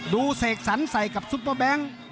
เสกสรรใส่กับซุปเปอร์แบงค์